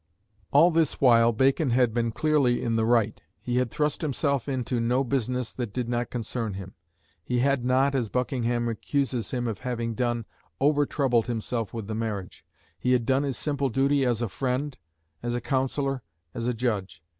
All this while Bacon had been clearly in the right. He had thrust himself into no business that did not concern him. He had not, as Buckingham accuses him of having done, "overtroubled" himself with the marriage. He had done his simple duty as a friend, as a councillor, as a judge.